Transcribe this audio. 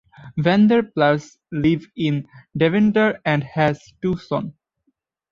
Van der Plas lives in Deventer and has two sons.